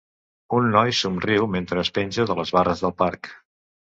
Un noi somriu mentre es penja de les barres del parc.